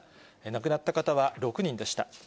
亡くなった方は６人でした。